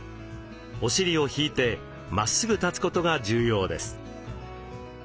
お尻を引いてまっすぐ立つことが重要です。